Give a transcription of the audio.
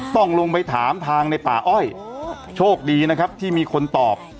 ต้องลงไปถามทางในป่าอ้อยโชคดีนะครับที่มีคนตอบ